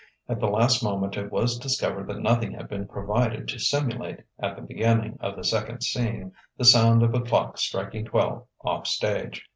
At the last moment it was discovered that nothing had been provided to simulate, at the beginning of the second scene, the sound of a clock striking twelve, off stage.